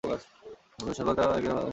অক্ষয়চন্দ্র সরকার একজন বাঙালি সাহিত্যিক।